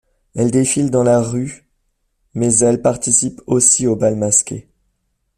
Elle défile dans la rue mais elle participe aussi aux bals masqués.